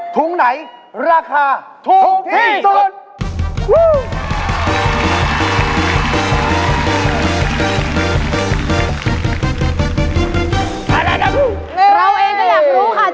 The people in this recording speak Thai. ถุงไหนราคา